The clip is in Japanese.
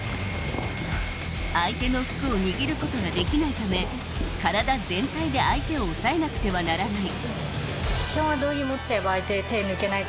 相手の服を握ることができないため体全体で相手を押さえなくてはならない。